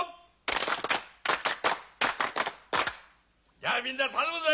じゃあみんな頼むぜ！